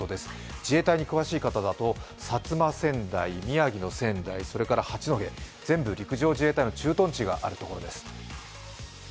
自衛隊に詳しい方だと薩摩川内、宮城の仙台それから八戸、全部、陸上自衛隊の駐屯地があるところです。